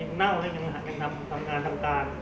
ยังเน่าแล้วยังทำงานทำการ